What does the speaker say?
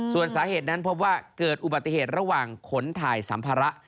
ส่วนสาเหตุนั้นพบว่าเกิดอุบัติเหตุระหว่างขนถ่ายสัมภาระ